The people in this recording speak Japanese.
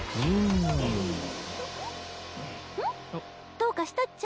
どうかしたっちゃ？